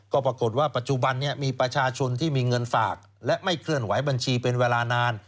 ก็ปรากฏว่าปัจจุบันนี้มีประชาชนที่มีเงินฝากและไม่เคลื่อนไหวบัญชีเป็นเวลานาน